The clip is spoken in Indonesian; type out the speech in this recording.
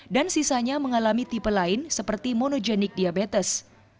sisanya mengalami tipe lain seperti monogenik diabetes